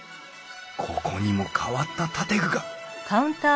ここにも変わった建具が！